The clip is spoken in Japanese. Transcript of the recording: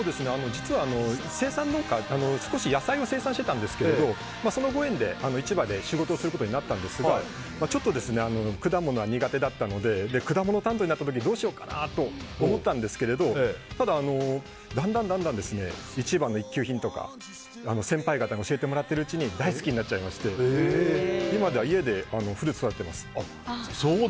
実は、生産農家で少し野菜を生産してたんですけどそのご縁で市場で仕事をすることになったんですがちょっと果物は苦手だったので果物担当になった時どうしようかなと思ったんですけれどただ、だんだん市場の一級品とか先輩方に教えてもらっているうちに大好きになっちゃいまして今では家でフルーツを育てています。